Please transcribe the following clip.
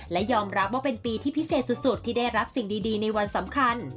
และยอมรับว่าเป็นปีที่พิเศษสุดที่ได้รับสิ่งดีในวันสำคัญ